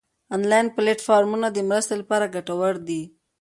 انلاین پلیټ فارمونه د مرستې لپاره ګټور دي.